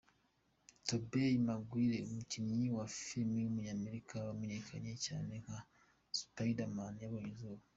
Tobey Maguire, umukinnyi wa filime w’umunyamerika wamenyekanye cyane nka Spiderman yabonye izuba.